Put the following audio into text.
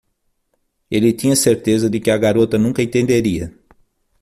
Ele tinha certeza de que a garota nunca entenderia.